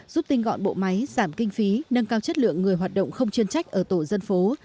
giúp tinh gọn bộ máy giảm kinh phí nâng cao chất lượng người hoạt động không chuyên trách ở tổ dân phố